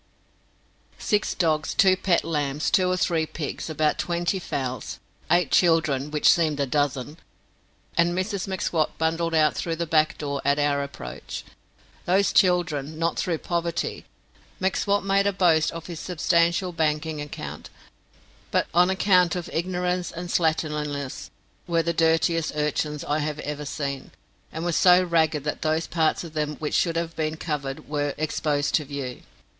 Six dogs, two pet lambs, two or three pigs, about twenty fowls, eight children which seemed a dozen, and Mrs M'Swat bundled out through the back door at our approach. Those children, not through poverty M'Swat made a boast of his substantial banking account but on account of ignorance and slatternliness, were the dirtiest urchins I have ever seen, and were so ragged that those parts of them which should have been covered were exposed to view.